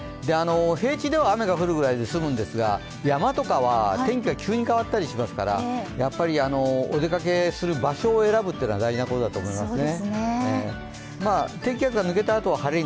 平地では雨が降るぐらいで済むんですが山とかは天気が急に変わったりしますからお出かけする場所を選ぶというのは大事なことだと思いますね。